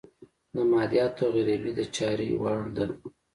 د مادیاتو غريبي د چارې وړ ده.